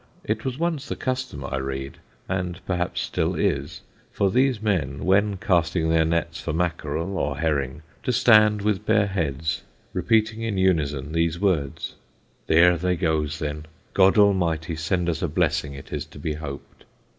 It was once the custom, I read, and perhaps still is, for these men, when casting their nets for mackerel or herring, to stand with bare heads repeating in unison these words: "There they goes then. God Almighty send us a blessing it is to be hoped."